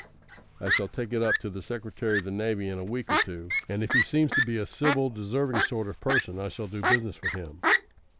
I shall take it up to the Secretary of the Navy in a week or two; and if he seems to be a civil deserving sort of person I shall do business with him.